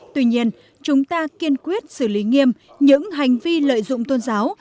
tuy nhiên chúng ta kiên quyết xử lý nghiêm những hành vi lợi dụng tôn giáo